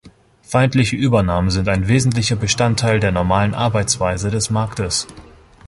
Feindliche Übernahmen sind ein wesentlicher Bestandteil der normalen Arbeitsweise des Marktes.